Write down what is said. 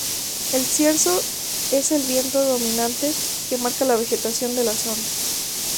El cierzo es el viento dominante que marca la vegetación de la zona.